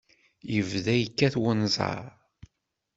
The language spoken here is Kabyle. Yebda yekkat unẓar.